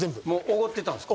おごってたんすか？